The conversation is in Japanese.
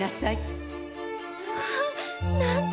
わあ！なんて